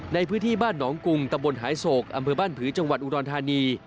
ในพื้นที่บ้านหนองกุงตะบนหายโศกอำเภอบ้านผือจังหวัดอุดรธานี